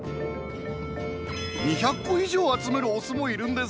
２００個以上集めるオスもいるんです。